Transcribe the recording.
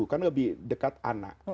kan lebih dekat anak